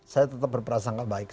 saya tetap berperasaan gak baik